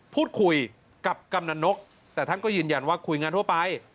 พูดคุยกับกำนันนกแต่ท่านก็ยืนยันว่าคุยงานทั่วไป